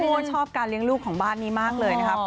เพราะว่าชอบการเลี้ยงลูกของบ้านนี้มากเลยนะครับ